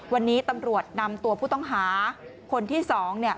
วันนี้ตำรวจนำตัวผู้ต้องหาคนที่สองเนี่ย